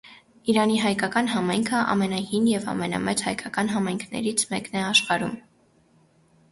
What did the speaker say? Իրանի հայկական համայնքը ամենահին և ամենամեծ հայկական համայնքներից մեկն է աշխարհում։